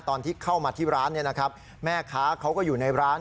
ตอนที่เข้ามาที่ร้านเนี่ยนะครับแม่ค้าเขาก็อยู่ในร้าน